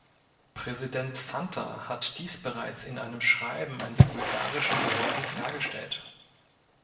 Präsident Santer hat dies bereits in einem Schreiben an die bulgarischen Behörden klargestellt.